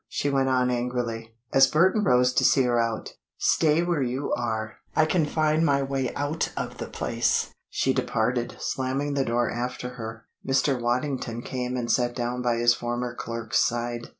she went on angrily, as Burton rose to see her out. "Stay where you are. I can find my way out of the place." She departed, slamming the door after her. Mr. Waddington came and sat down by his former clerk's side.